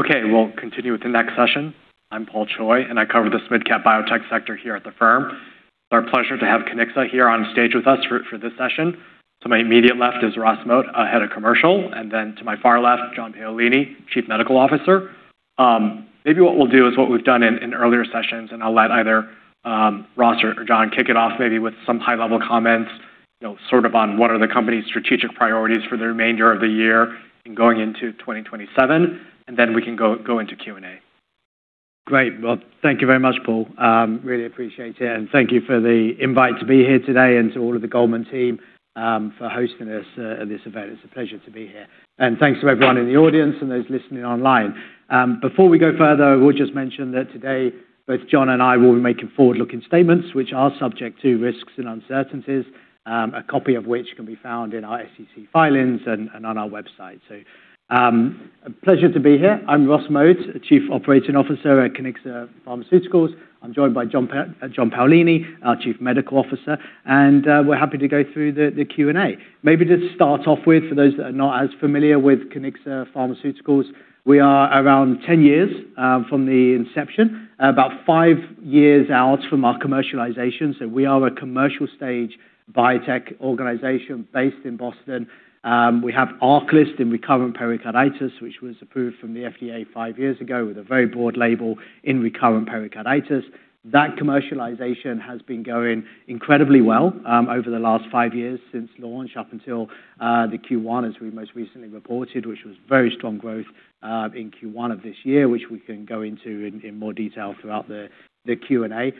Okay, we'll continue with the next session. I'm Paul Choi, and I cover this mid-cap biotech sector here at the firm. It's our pleasure to have Kiniksa here on stage with us for this session. To my immediate left is Ross Moat, Head of Commercial, and then to my far left, John Paolini, Chief Medical Officer. Maybe what we'll do is what we've done in earlier sessions, and I'll let either Ross or John kick it off, maybe with some high-level comments on what are the company's strategic priorities for the remainder of the year and going into 2027, and then we can go into Q&A. Great. Well, thank you very much, Paul. Really appreciate it, and thank you for the invite to be here today and to all of the Goldman team for hosting this event. It's a pleasure to be here. Thanks to everyone in the audience and those listening online. Before we go further, we'll just mention that today, both John and I will be making forward-looking statements which are subject to risks and uncertainties, a copy of which can be found in our SEC filings and on our website. A pleasure to be here. I'm Ross Moat, Chief Operating Officer at Kiniksa Pharmaceuticals. I'm joined by John Paolini, our Chief Medical Officer, and we're happy to go through the Q&A. Maybe to start off with, for those that are not as familiar with Kiniksa Pharmaceuticals, we are around 10 years from the inception, about five years out from our commercialization. We are a commercial-stage biotech organization based in Boston. We have ARCALYST in recurrent pericarditis, which was approved from the FDA five years ago with a very broad label in recurrent pericarditis. That commercialization has been going incredibly well over the last five years since launch up until the Q1, as we most recently reported, which was very strong growth in Q1 of this year, which we can go into in more detail throughout the Q&A.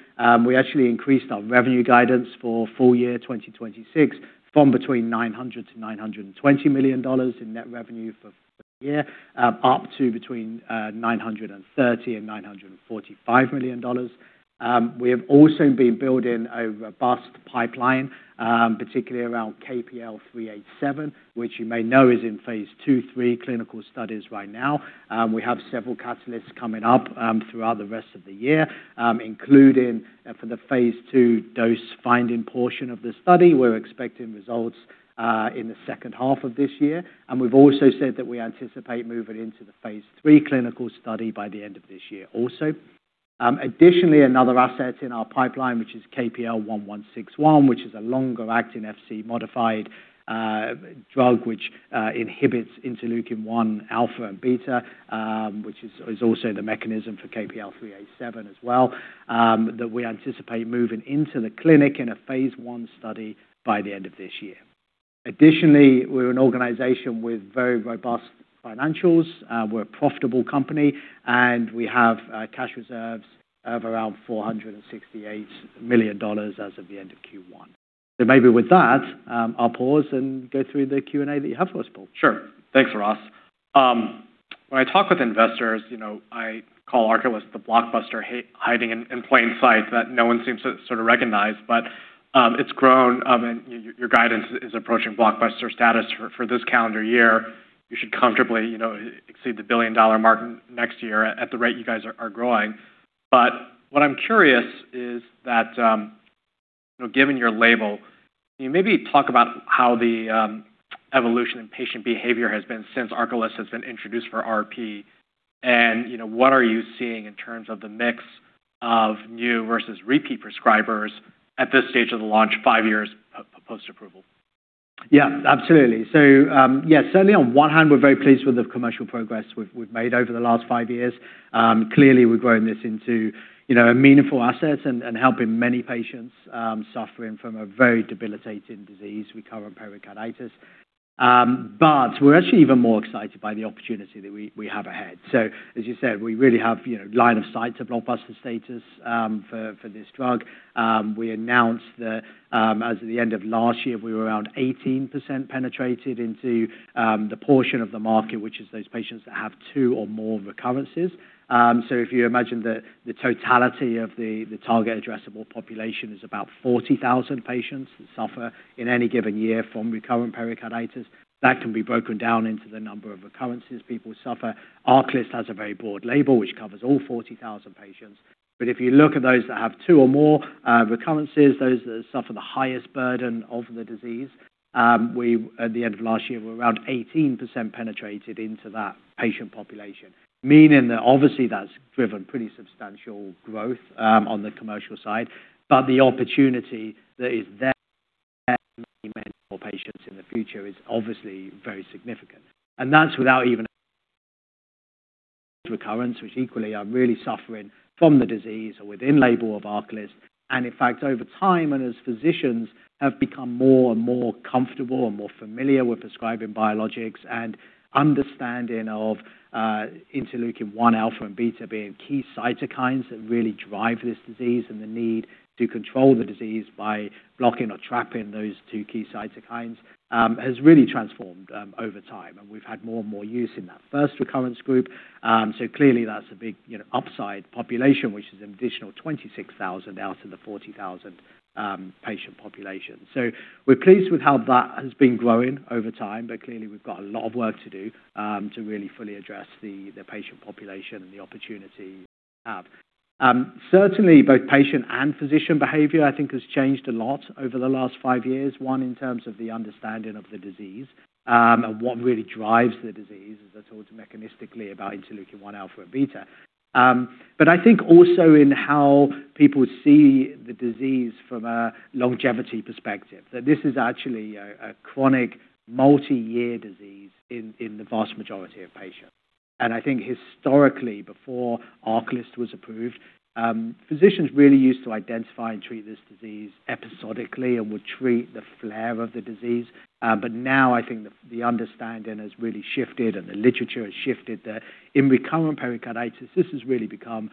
We actually increased our revenue guidance for full year 2026 from between $900 million-$920 million in net revenue for the year, up to between $930 million and $945 million. We have also been building a robust pipeline, particularly around KPL-387, which you may know is in phase II/III clinical studies right now. We have several catalysts coming up throughout the rest of the year, including for the phase II dose-finding portion of the study. We're expecting results in the second half of this year. We've also said that we anticipate moving into the phase III clinical study by the end of this year also. Additionally, another asset in our pipeline, which is KPL-1161, which is a longer-acting Fc-modified drug which inhibits interleukin-1 alpha and beta, which is also the mechanism for KPL-387 as well, that we anticipate moving into the clinic in a phase I study by the end of this year. Additionally, we're an organization with very robust financials. We're a profitable company, and we have cash reserves of around $468 million as of the end of Q1. Maybe with that, I'll pause and go through the Q&A that you have for us, Paul. Sure. Thanks, Ross. When I talk with investors, I call ARCALYST the blockbuster hiding in plain sight that no one seems to recognize. It's grown. Your guidance is approaching blockbuster status for this calendar year. You should comfortably exceed the $1 billion mark next year at the rate you guys are growing. What I'm curious is that, given your label, can you maybe talk about how the evolution in patient behavior has been since ARCALYST has been introduced for RP, and what are you seeing in terms of the mix of new versus repeat prescribers at this stage of the launch, five years post-approval? Yeah, absolutely. Certainly on one hand, we're very pleased with the commercial progress we've made over the last five years. Clearly, we're growing this into a meaningful asset and helping many patients suffering from a very debilitating disease, recurrent pericarditis. We're actually even more excited by the opportunity that we have ahead. As you said, we really have line of sight to blockbuster status for this drug. We announced that as of the end of last year, we were around 18% penetrated into the portion of the market, which is those patients that have two or more recurrences. If you imagine that the totality of the target addressable population is about 40,000 patients that suffer in any given year from recurrent pericarditis, that can be broken down into the number of recurrences people suffer. ARCALYST has a very broad label, which covers all 40,000 patients. If you look at those that have two or more recurrences, those that suffer the highest burden of the disease, at the end of last year, we were around 18% penetrated into that patient population, meaning that obviously that's driven pretty substantial growth on the commercial side. The opportunity that is there for many more patients in the future is obviously very significant. That's without even recurrence, which equally are really suffering from the disease or within label of ARCALYST. In fact, over time, as physicians have become more and more comfortable and more familiar with prescribing biologics and understanding of interleukin-1 alpha and IL-1 beta being key cytokines that really drive this disease, and the need to control the disease by blocking or trapping those two key cytokines has really transformed over time. We've had more and more use in that first recurrence group. Clearly that's a big upside population, which is an additional 26,000 out of the 40,000 patient population. We're pleased with how that has been growing over time. Clearly, we've got a lot of work to do to really fully address the patient population and the opportunity. Certainly both patient and physician behavior, I think, has changed a lot over the last five years. One, in terms of the understanding of the disease, and what really drives the disease as I talked mechanistically about interleukin-1 alpha and IL-1 beta. I think also in how people see the disease from a longevity perspective, that this is actually a chronic multi-year disease in the vast majority of patients. I think historically, before ARCALYST was approved, physicians really used to identify and treat this disease episodically and would treat the flare of the disease. Now I think the understanding has really shifted and the literature has shifted, that in recurrent pericarditis, this has really become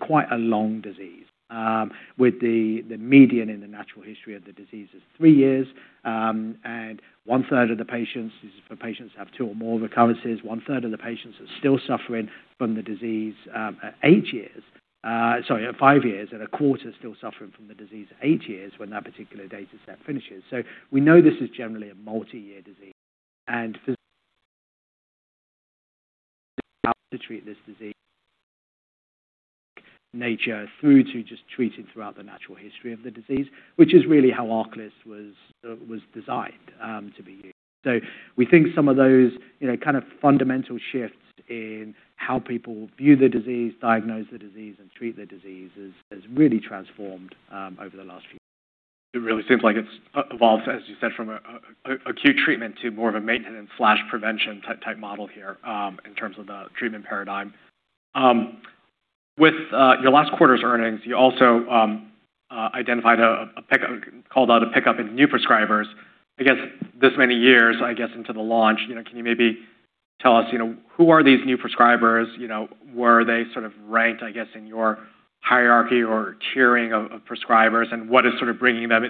quite a long disease, with the median in the natural history of the disease is three years. One-third of the patients, for patients who have two or more recurrences, one-third of the patients are still suffering from the disease at eight years. Sorry, at five years, and a quarter still suffering from the disease eight years when that particular data set finishes. We know this is generally a multi-year disease, and now treat this disease throughout the natural history of the disease, which is really how ARCALYST was designed to be used. We think some of those, kind of fundamental shifts in how people view the disease, diagnose the disease, and treat the disease has really transformed over the last few years. It really seems like it's evolved, as you said, from acute treatment to more of a maintenance/prevention type model here, in terms of the treatment paradigm. With your last quarter's earnings, you also called out a pickup in new prescribers. I guess this many years, I guess, into the launch, can you maybe tell us who are these new prescribers? Where are they sort of ranked, I guess, in your hierarchy or tiering of prescribers, and what is bringing them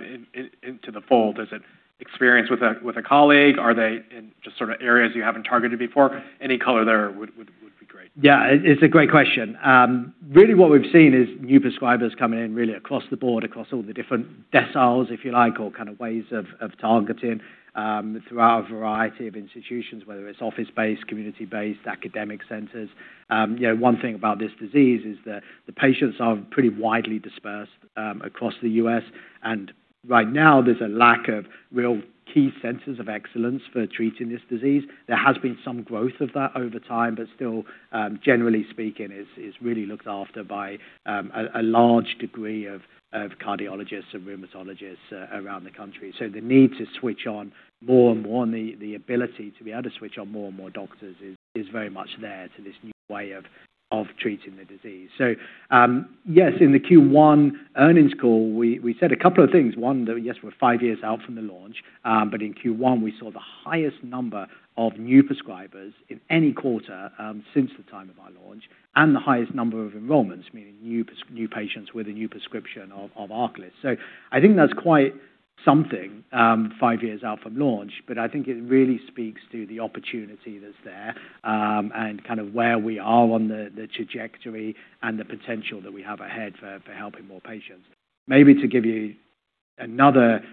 into the fold? Is it experience with a colleague? Are they in just sort of areas you haven't targeted before? Any color there would be great. Yeah, it's a great question. Really what we've seen is new prescribers coming in really across the board, across all the different deciles, if you like, or ways of targeting, throughout a variety of institutions, whether it's office-based, community-based, academic centers. One thing about this disease is that the patients are pretty widely dispersed across the U.S., and right now there's a lack of real key centers of excellence for treating this disease. There has been some growth of that over time, but still, generally speaking, it's really looked after by a large degree of cardiologists and rheumatologists around the country. The need to switch on more and more, and the ability to be able to switch on more and more doctors is very much there to this new way of treating the disease. Yes, in the Q1 earnings call, we said a couple of things. That yes, we're five years out from the launch, in Q1 we saw the highest number of new prescribers in any quarter since the time of our launch and the highest number of enrollments, meaning new patients with a new prescription of ARCALYST. I think that's quite something five years out from launch, I think it really speaks to the opportunity that's there, and where we are on the trajectory and the potential that we have ahead for helping more patients. Maybe to give you another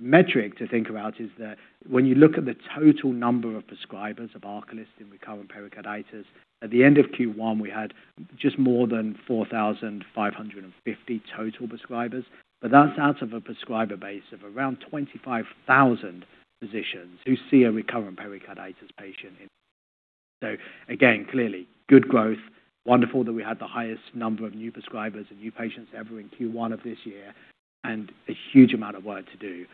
metric to think about is that when you look at the total number of prescribers of ARCALYST in recurrent pericarditis, at the end of Q1, we had just more than 4,550 total prescribers, that's out of a prescriber base of around 25,000 physicians who see a recurrent pericarditis patient. Again, clearly good growth. Wonderful that we had the highest number of new prescribers and new patients ever in Q1 of this year, a huge amount of work to do,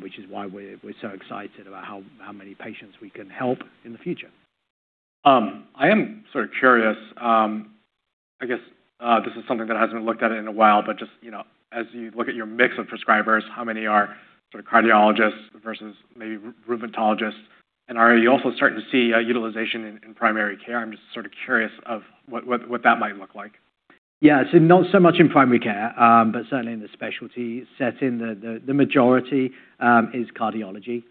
which is why we're so excited about how many patients we can help in the future. I am sort of curious. I guess this is something that hasn't been looked at in a while, just as you look at your mix of prescribers, how many are cardiologists versus maybe rheumatologists? Are you also starting to see utilization in primary care? I'm just curious of what that might look like. Yeah. Not so much in primary care, certainly in the specialty setting, the majority is cardiology,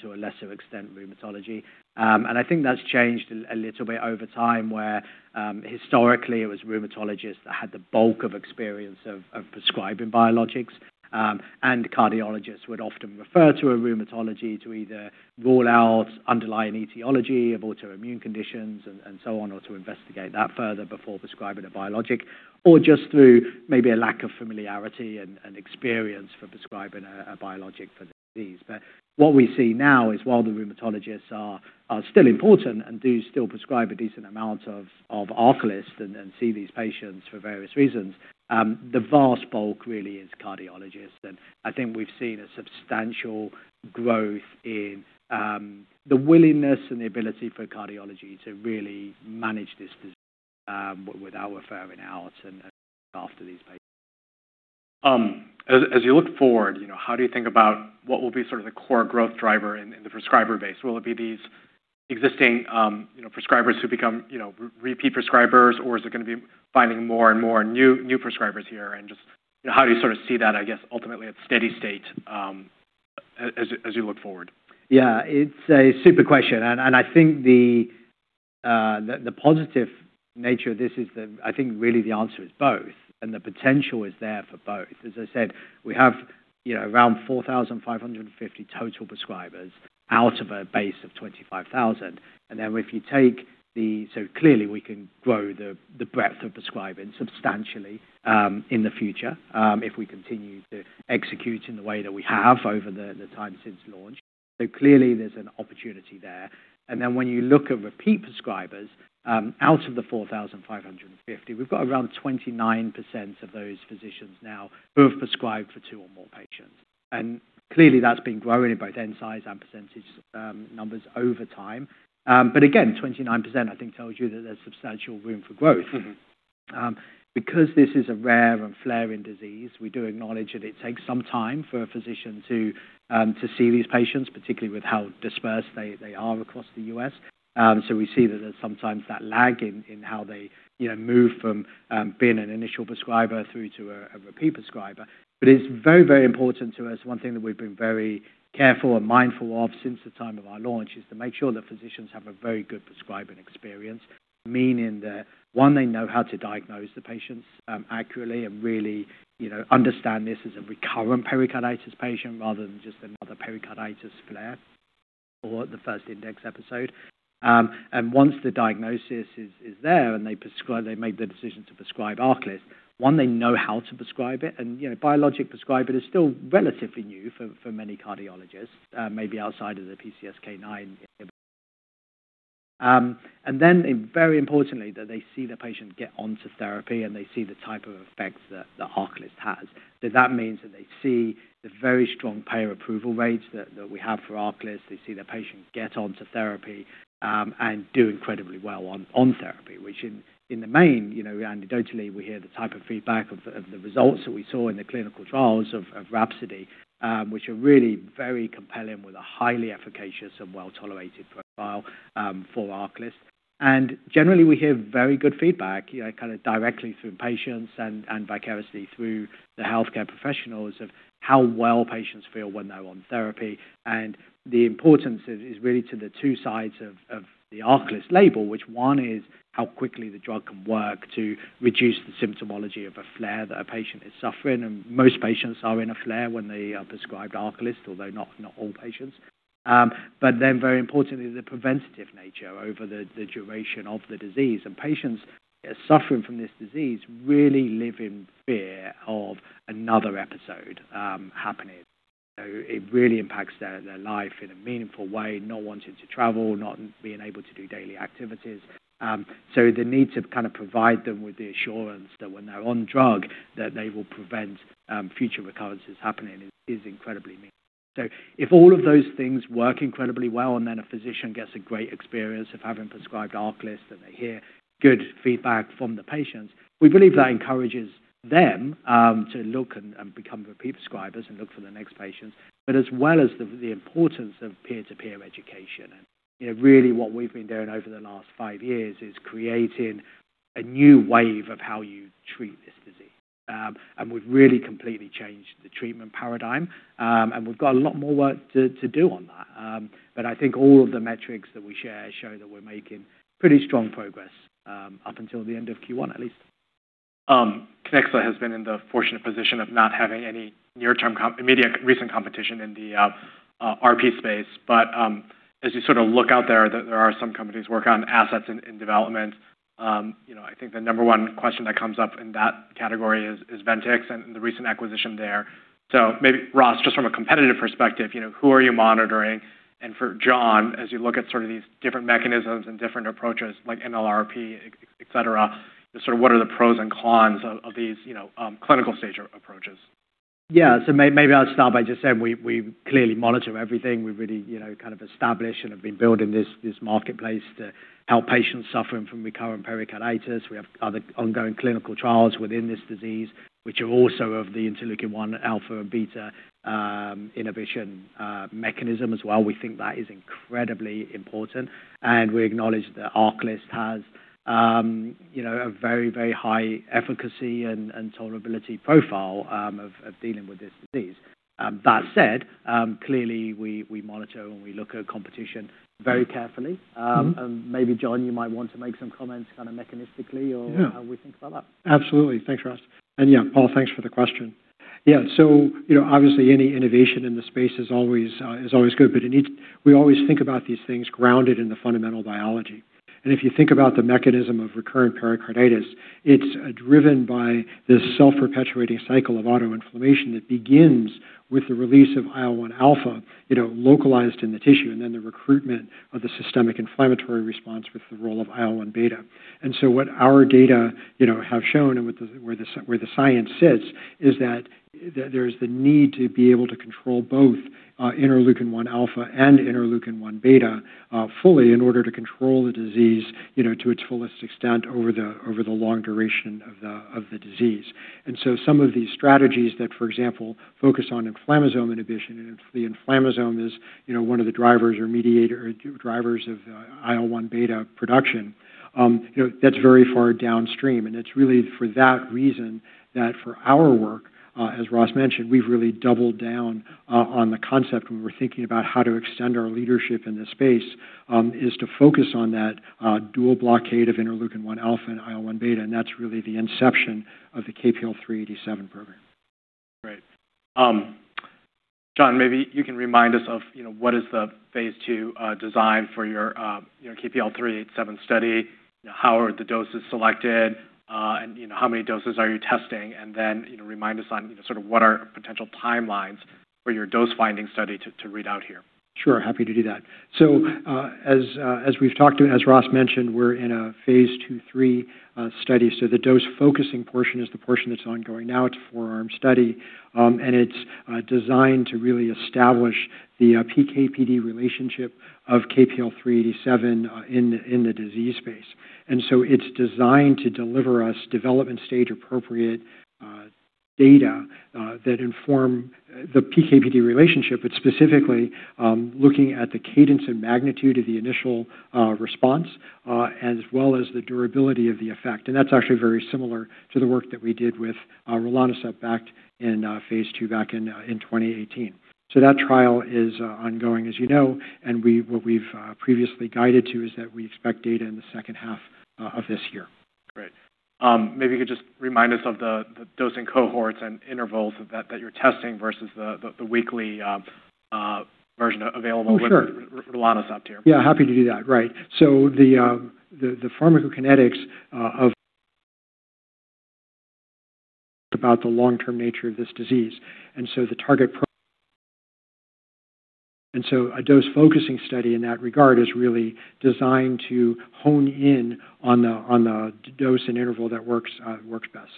to a lesser extent, rheumatology. I think that's changed a little bit over time, where historically it was rheumatologists that had the bulk of experience of prescribing biologics. Cardiologists would often refer to a rheumatology to either rule out underlying etiology of autoimmune conditions and so on, or to investigate that further before prescribing a biologic, or just through maybe a lack of familiarity and experience for prescribing a biologic for the disease. What we see now is while the rheumatologists are still important and do still prescribe a decent amount of ARCALYST and see these patients for various reasons, the vast bulk really is cardiologists. I think we've seen a substantial growth in the willingness and the ability for cardiology to really manage this disease with our offering out and look after these patients. As you look forward, how do you think about what will be the core growth driver in the prescriber base? Will it be these existing prescribers who become repeat prescribers, or is it going to be finding more and more new prescribers here? Just how do you see that, I guess, ultimately at steady state as you look forward? Yeah. It's a super question. I think the positive nature of this is, I think really the answer is both, and the potential is there for both. As I said, we have around 4,550 total prescribers out of a base of 25,000. Clearly we can grow the breadth of prescribing substantially in the future if we continue to execute in the way that we have over the time since launch. Clearly there's an opportunity there. Then when you look at repeat prescribers, out of the 4,550, we've got around 29% of those physicians now who have prescribed for two or more patients. Clearly that's been growing in both end size and percentage numbers over time. Again, 29% I think tells you that there's substantial room for growth. This is a rare and flaring disease, we do acknowledge that it takes some time for a physician to see these patients, particularly with how dispersed they are across the U.S. We see that there's sometimes that lag in how they move from being an initial prescriber through to a repeat prescriber. It's very, very important to us, one thing that we've been very careful and mindful of since the time of our launch, is to make sure that physicians have a very good prescribing experience. Meaning that, one, they know how to diagnose the patients accurately and really understand this as a recurrent pericarditis patient rather than just another pericarditis flare or the first index episode. Once the diagnosis is there and they've made the decision to prescribe ARCALYST, one, they know how to prescribe it. Biologic prescriber is still relatively new for many cardiologists, maybe outside of the PCSK9 inhibitors. Very importantly, that they see the patient get onto therapy, and they see the type of effects that ARCALYST has. That means that they see the very strong payer approval rates that we have for ARCALYST. They see their patients get onto therapy, and do incredibly well on therapy. Which in the main, anecdotally, we hear the type of feedback of the results that we saw in the clinical trials of RHAPSODY, which are really very compelling with a highly efficacious and well-tolerated profile for ARCALYST. Generally we hear very good feedback, directly through patients and vicariously through the healthcare professionals of how well patients feel when they're on therapy. The importance is really to the two sides of the ARCALYST label. Which one is how quickly the drug can work to reduce the symptomology of a flare that a patient is suffering. Most patients are in a flare when they are prescribed ARCALYST, although not all patients. Very importantly, the preventative nature over the duration of the disease. Patients suffering from this disease really live in fear of another episode happening. It really impacts their life in a meaningful way, not wanting to travel, not being able to do daily activities. The need to provide them with the assurance that when they're on drug, that they will prevent future recurrences happening is incredibly meaningful. If all of those things work incredibly well, and then a physician gets a great experience of having prescribed ARCALYST, and they hear good feedback from the patients, we believe that encourages them to look and become repeat prescribers and look for the next patients. As well as the importance of peer-to-peer education. Really what we've been doing over the last five years is creating a new wave of how you treat this disease. We've really completely changed the treatment paradigm. We've got a lot more work to do on that. I think all of the metrics that we share show that we're making pretty strong progress, up until the end of Q1 at least. Kiniksa has been in the fortunate position of not having any near-term, immediate, recent competition in the RP space. As you look out there are some companies working on assets in development. I think the number one question that comes up in that category is Ventyx and the recent acquisition there. Maybe Ross, just from a competitive perspective, who are you monitoring? For John, as you look at these different mechanisms and different approaches like NLRP, et cetera, what are the pros and cons of these clinical stage approaches? Maybe I'll start by just saying we clearly monitor everything. We've really established and have been building this marketplace to help patients suffering from recurrent pericarditis. We have other ongoing clinical trials within this disease, which are also of the interleukin-1 alpha and beta inhibition mechanism as well. We think that is incredibly important, and we acknowledge that ARCALYST has a very high efficacy and tolerability profile of dealing with this disease. That said, clearly we monitor and we look at competition very carefully. Maybe John, you might want to make some comments mechanistically. Yeah.... on how we think about that. Absolutely. Thanks, Ross. Paul, thanks for the question. Obviously any innovation in the space is always good, but we always think about these things grounded in the fundamental biology. If you think about the mechanism of recurrent pericarditis, it's driven by this self-perpetuating cycle of autoinflammation that begins with the release of IL-1 alpha localized in the tissue, then the recruitment of the systemic inflammatory response with the role of IL-1 beta. What our data have shown and where the science sits is that there's the need to be able to control both interleukin-1 alpha and interleukin-1 beta fully in order to control the disease to its fullest extent over the long duration of the disease. Some of these strategies that, for example, focus on inflammasome inhibition, and if the inflammasome is one of the drivers or mediator or drivers of IL-1 beta production. That's very far downstream, and it's really for that reason that for our work, as Ross mentioned, we've really doubled down on the concept when we're thinking about how to extend our leadership in this space, is to focus on that dual blockade of interleukin-1 alpha and IL-1 beta, and that's really the inception of the KPL-387 program. Great. John, maybe you can remind us of what is the phase II design for your KPL-387 study, how are the doses selected, and how many doses are you testing, and then remind us on sort of what are potential timelines for your dose-finding study to read out here. Sure, happy to do that. As Ross mentioned, we're in a phase II/III study, so the dose focusing portion is the portion that's ongoing now. It's a four-arm study, and it's designed to really establish the PK/PD relationship of KPL-387 in the disease space. It's designed to deliver us development stage appropriate data that inform the PK/PD relationship. It's specifically looking at the cadence and magnitude of the initial response, as well as the durability of the effect. That's actually very similar to the work that we did with rilonacept back in phase II back in 2018. That trial is ongoing, as you know, and what we've previously guided to is that we expect data in the second half of this year. Great. Maybe you could just remind us of the dosing cohorts and intervals that you're testing versus the weekly version available- Oh, sure.... with rilonacept here. Yeah, happy to do that, right. The pharmacokinetics of about the long-term nature of this disease, so the target. A dose focusing study in that regard is really designed to hone in on the dose and interval that works best.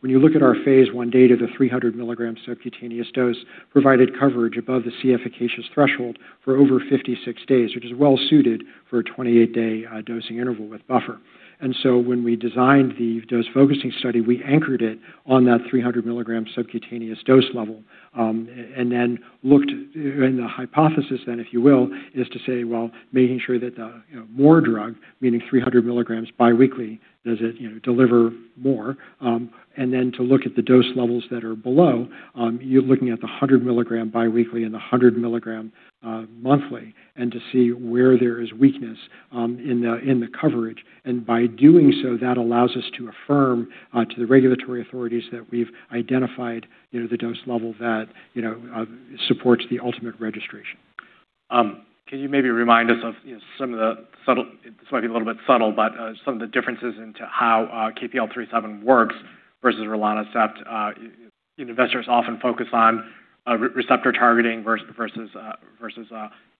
When you look at our phase I data, the 300 mg subcutaneous dose provided coverage above the efficacious concentration threshold for over 56 days, which is well-suited for a 28-day dosing interval with buffer. When we designed the dose focusing study, we anchored it on that 300 mg subcutaneous dose level, and then looked in the hypothesis then, if you will, is to say, well, making sure that the more drug, meaning 300 mg biweekly, does it deliver more? To look at the dose levels that are below, you're looking at the 100 mg biweekly and the 100 mg monthly, and to see where there is weakness in the coverage. By doing so, that allows us to affirm to the regulatory authorities that we've identified the dose level that supports the ultimate registration. Can you maybe remind us of some of the subtle, this might be a little bit subtle, but some of the differences into how KPL-387 works versus rilonacept? Investors often focus on receptor targeting versus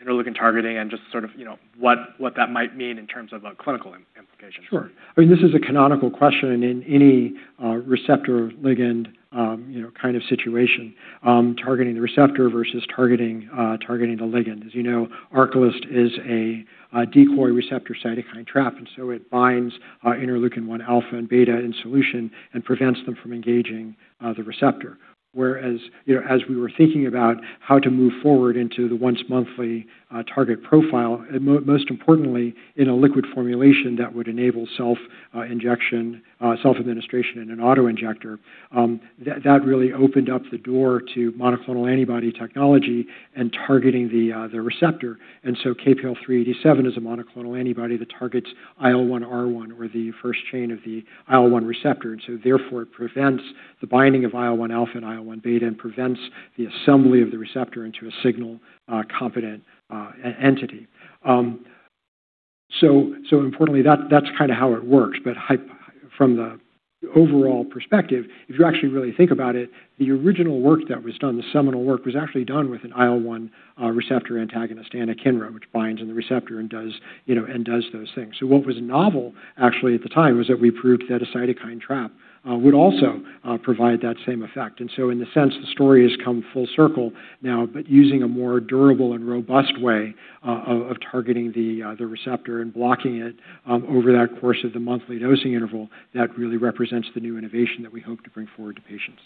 interleukin targeting and just sort of what that might mean in terms of clinical implications. Sure. This is a canonical question in any receptor-ligand kind of situation, targeting the receptor versus targeting the ligand. As you know, ARCALYST is a decoy receptor cytokine trap. It binds interleukin-1 alpha and beta in solution and prevents them from engaging the receptor. Whereas, as we were thinking about how to move forward into the once-monthly target profile, most importantly in a liquid formulation that would enable self-injection, self-administration in an auto-injector. That really opened up the door to monoclonal antibody technology and targeting the receptor. KPL-387 is a monoclonal antibody that targets IL-1R1, or the first chain of the IL-1 receptor. Therefore, it prevents the binding of IL-1 alpha and IL-1 beta and prevents the assembly of the receptor into a signal-competent entity. Importantly, that's how it works, but from the overall perspective, if you actually really think about it, the original work that was done, the seminal work, was actually done with an IL-1 receptor antagonist, anakinra, which binds in the receptor and does those things. What was novel actually at the time was that we proved that a cytokine trap would also provide that same effect. In the sense, the story has come full circle now, but using a more durable and robust way of targeting the receptor and blocking it over that course of the monthly dosing interval. That really represents the new innovation that we hope to bring forward to patients.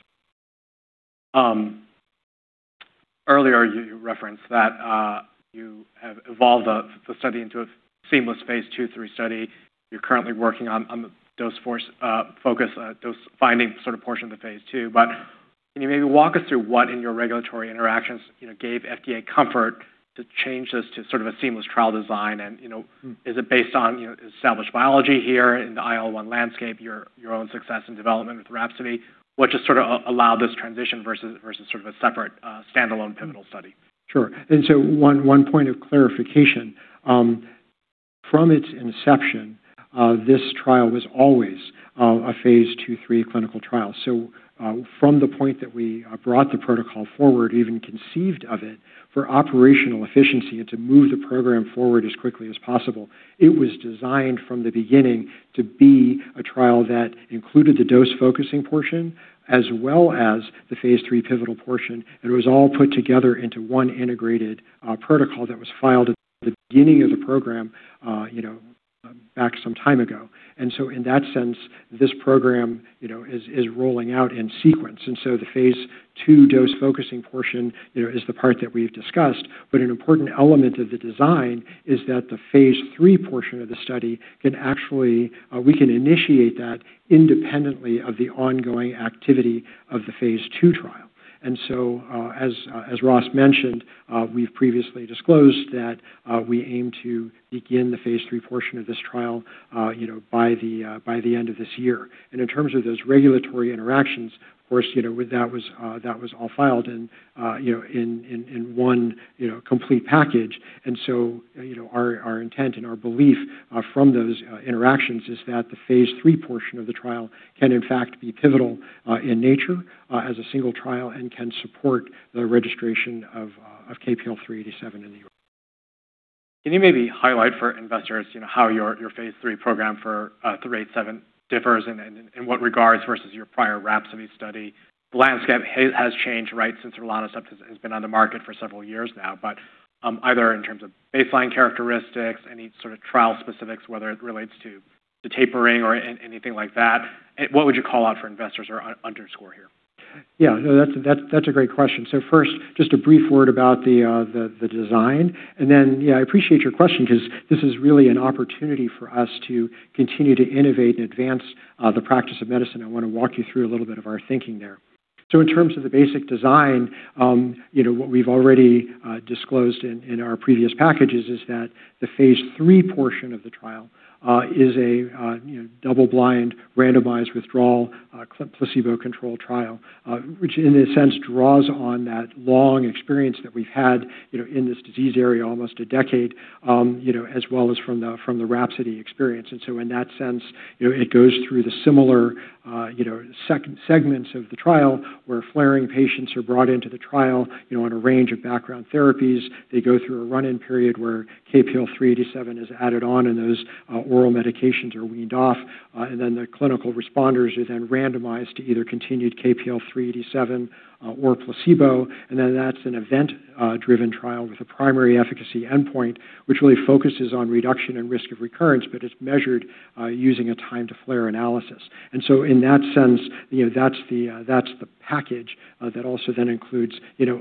Earlier, you referenced that you have evolved the study into a seamless phase II/III study. You're currently working on the dose focus, dose finding sort of portion of the phase II. Can you maybe walk us through what in your regulatory interactions gave FDA comfort to change this to sort of a seamless trial design? Is it based on established biology here in the IL-1 landscape, your own success and development with RHAPSODY? What just sort of allowed this transition versus sort of a separate standalone pivotal study? Sure. One point of clarification. From its inception, this trial was always a phase II/III clinical trial. From the point that we brought the protocol forward, even conceived of it for operational efficiency and to move the program forward as quickly as possible, it was designed from the beginning to be a trial that included the dose focusing portion as well as the phase III pivotal portion, and it was all put together into one integrated protocol that was filed at the beginning of the program back some time ago. In that sense, this program is rolling out in sequence. The phase II dose focusing portion is the part that we've discussed. An important element of the design is that the phase III portion of the study, we can initiate that independently of the ongoing activity of the phase II trial. As Ross mentioned, we've previously disclosed that we aim to begin the phase III portion of this trial by the end of this year. In terms of those regulatory interactions, of course, that was all filed in one complete package. Our intent and our belief from those interactions is that the phase III portion of the trial can in fact be pivotal in nature as a single trial and can support the registration of KPL-387. Can you maybe highlight for investors how your phase III program for KPL-387 differs, in what regards versus your prior RHAPSODY study? The landscape has changed, right, since rilonacept has been on the market for several years now. Either in terms of baseline characteristics, any sort of trial specifics, whether it relates to tapering or anything like that, what would you call out for investors or underscore here? Yeah, no, that's a great question. First, just a brief word about the design, and then, yeah, I appreciate your question because this is really an opportunity for us to continue to innovate and advance the practice of medicine. I want to walk you through a little bit of our thinking there. In terms of the basic design, what we've already disclosed in our previous packages is that the phase III portion of the trial is a double-blind, randomized withdrawal, placebo-controlled trial which in a sense draws on that long experience that we've had in this disease area almost a decade, as well as from the RHAPSODY experience. In that sense, it goes through the similar segments of the trial where flaring patients are brought into the trial on a range of background therapies. They go through a run-in period where KPL-387 is added on, and those oral medications are weaned off. The clinical responders are then randomized to either continued KPL-387 or a placebo. That's an event-driven trial with a primary efficacy endpoint, which really focuses on reduction and risk of recurrence, but it's measured using a time-to-flare analysis. In that sense, that's the package that also then includes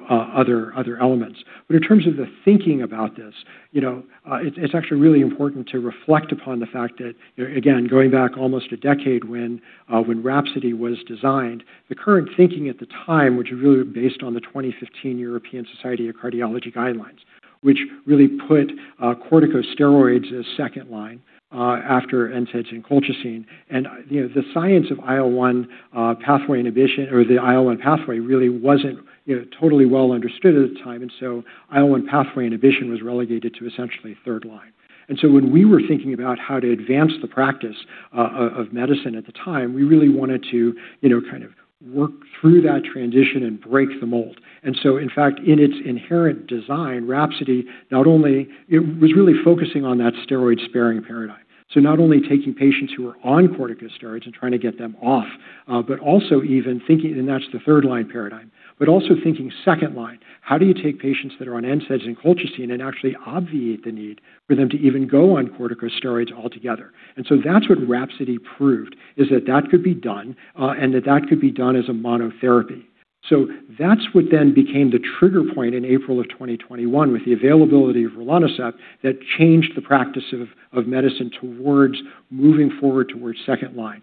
other elements. In terms of the thinking about this, it's actually really important to reflect upon the fact that, again, going back almost a decade when RHAPSODY was designed, the current thinking at the time, which was really based on the 2015 European Society of Cardiology Guidelines, which really put corticosteroids as second-line after NSAIDs and colchicine. The science of IL-1 pathway inhibition, or the IL-1 pathway really wasn't totally well understood at the time. IL-1 pathway inhibition was relegated to essentially third-line. When we were thinking about how to advance the practice of medicine at the time, we really wanted to kind of work through that transition and break the mold. In fact, in its inherent design, RHAPSODY, it was really focusing on that steroid-sparing paradigm. Not only taking patients who are on corticosteroids and trying to get them off, and that's the third-line paradigm, but also thinking second-line, how do you take patients that are on NSAIDs and colchicine and actually obviate the need for them to even go on corticosteroids altogether? That's what RHAPSODY proved, is that that could be done, and that that could be done as a monotherapy. That's what then became the trigger point in April of 2021 with the availability of rilonacept that changed the practice of medicine towards moving forward towards second-line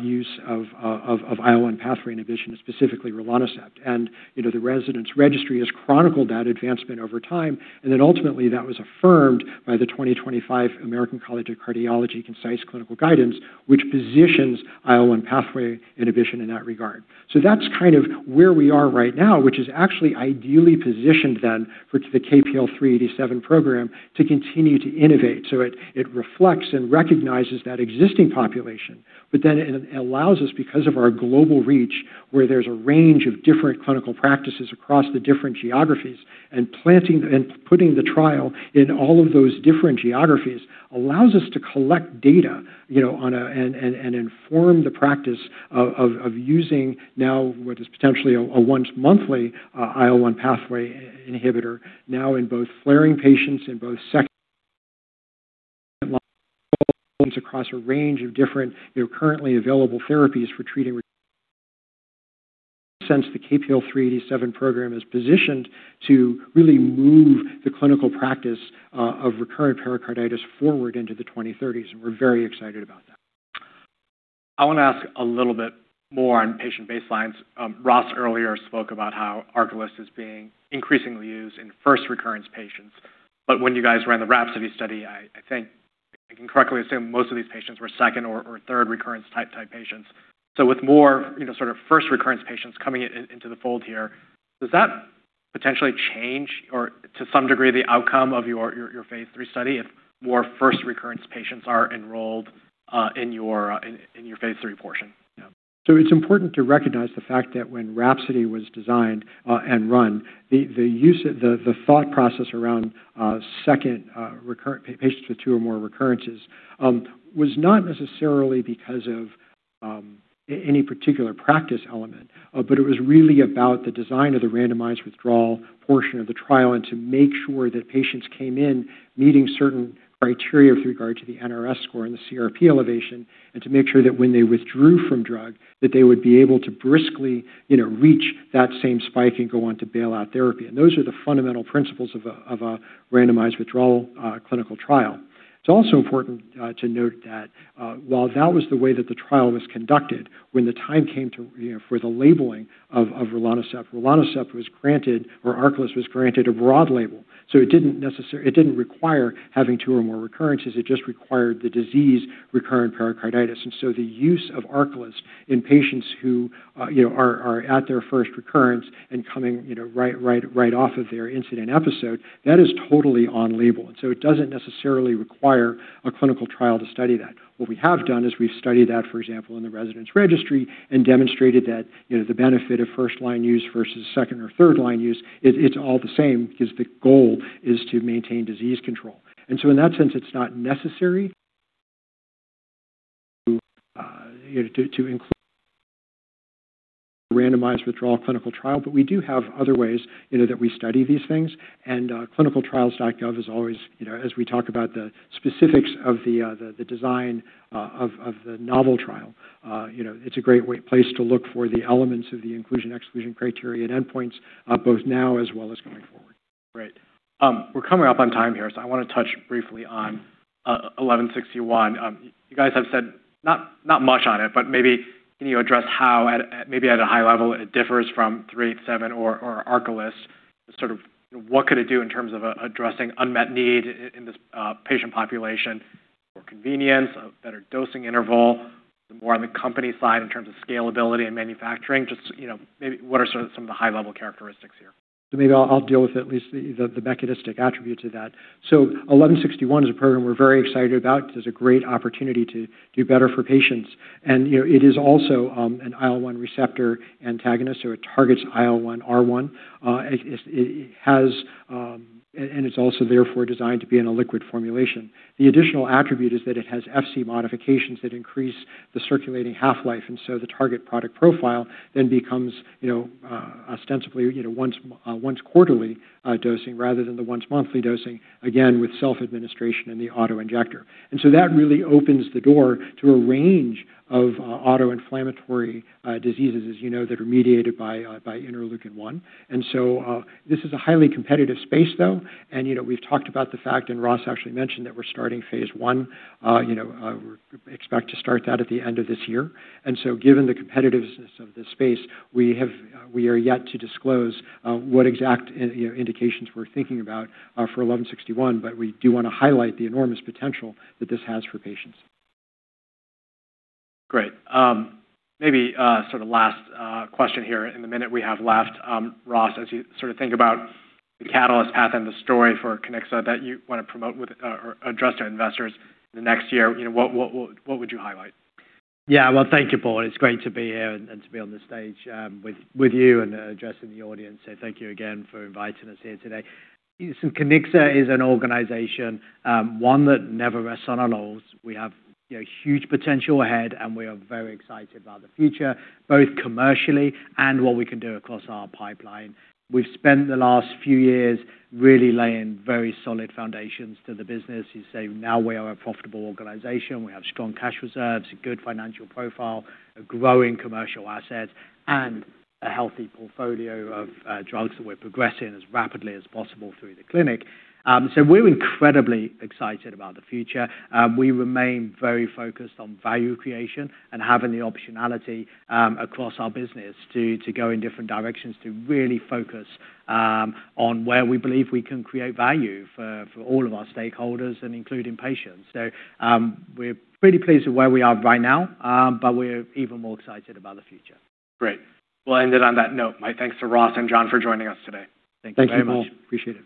use of IL-1 pathway inhibition, specifically rilonacept. The Residents Registry has chronicled that advancement over time, and then ultimately that was affirmed by the 2025 American College of Cardiology Concise Clinical Guidance, which positions IL-1 pathway inhibition in that regard. That's kind of where we are right now, which is actually ideally positioned then for the KPL-387 program to continue to innovate. It reflects and recognizes that existing population, but then it allows us because of our global reach, where there's a range of different clinical practices across the different geographies and putting the trial in all of those different geographies allows us to collect data, and inform the practice of using now what is potentially a once-monthly IL-1 pathway inhibitor now in both flaring patients, in both second-line patients across a range of different currently available therapies for treating since the KPL-387 program is positioned to really move the clinical practice of recurrent pericarditis forward into the 2030s. We're very excited about that. I want to ask a little bit more on patient baselines. Ross earlier spoke about how ARCALYST is being increasingly used in first recurrence patients. But when you guys ran the RHAPSODY study, I think I can correctly assume most of these patients were second or third-recurrence-type type patients. So with more, you know, sort of first recurrence patients coming into the fold here, does that potentially change or to some degree the outcome of your phase III study if more first recurrence patients are enrolled in your phase III portion? It's important to recognize the fact that when RHAPSODY was designed and run, the thought process around second recurrent patients with two or more recurrences was not necessarily because of any particular practice element. It was really about the design of the randomized withdrawal portion of the trial and to make sure that patients came in meeting certain criteria with regard to the NRS score and the CRP elevation, and to make sure that when they withdrew from drug, that they would be able to briskly reach that same spike and go on to bailout therapy. Those are the fundamental principles of a randomized withdrawal clinical trial. It's also important to note that while that was the way that the trial was conducted, when the time came for the labeling of rilonacept was granted, or ARCALYST was granted a broad label. It didn't require having two or more recurrences. It just required the disease recurrent pericarditis. The use of ARCALYST in patients who are at their first recurrence and coming right off of their incident episode, that is totally on-label. It doesn't necessarily require a clinical trial to study that. What we have done is we've studied that, for example, in the Residents Registry and demonstrated that the benefit of first-line use versus second or third-line use, it's all the same because the goal is to maintain disease control. In that sense, it's not necessary to include a randomized withdrawal clinical trial, but we do have other ways that we study these things. ClinicalTrials.gov is always, as we talk about the specifics of the design of the novel trial, it's a great place to look for the elements of the inclusion, exclusion criteria, and endpoints, both now as well as going forward. We're coming up on time here. I want to touch briefly on KPL-1161. You guys have said not much on it. Maybe can you address how, maybe at a high level, it differs from KPL-387 or ARCALYST to sort of what could it do in terms of addressing unmet need in this patient population for convenience, a better dosing interval, more on the company side in terms of scalability and manufacturing? Just maybe what are sort of some of the high-level characteristics here? Maybe I'll deal with at least the mechanistic attribute to that. KPL-1161 is a program we're very excited about. There's a great opportunity to do better for patients. It is also an IL-1 receptor antagonist, so it targets IL-1R1. It's also therefore designed to be in a liquid formulation. The additional attribute is that it has Fc modifications that increase the circulating half-life. The target product profile then becomes ostensibly once quarterly dosing rather than the once monthly dosing, again, with self-administration in the auto-injector. That really opens the door to a range of autoinflammatory diseases, as you know, that are mediated by interleukin-1. This is a highly competitive space, though. We've talked about the fact, and Ross actually mentioned that we're starting phase I. We expect to start that at the end of this year. Given the competitiveness of this space, we are yet to disclose what exact indications we're thinking about for KPL-1161, but we do want to highlight the enormous potential that this has for patients. Great. Maybe sort of last question here in the minute we have left. Ross, as you sort of think about the catalyst path and the story for Kiniksa that you want to promote with or address to investors in the next year, what would you highlight? Yeah. Well, thank you, Paul. It's great to be here and to be on the stage with you and addressing the audience, thank you again for inviting us here today. Kiniksa is an organization, one that never rests on our laurels. We have huge potential ahead, and we are very excited about the future, both commercially and what we can do across our pipeline. We've spent the last few years really laying very solid foundations to the business. As you say, now we are a profitable organization. We have strong cash reserves, a good financial profile, growing commercial assets, and a healthy portfolio of drugs that we're progressing as rapidly as possible through the clinic. We're incredibly excited about the future. We remain very focused on value creation and having the optionality across our business to go in different directions to really focus on where we believe we can create value for all of our stakeholders and including patients. We're pretty pleased with where we are right now, we're even more excited about the future. Great. We'll end it on that note. My thanks to Ross and John for joining us today. Thank you very much. Thank you, Paul. Appreciate it.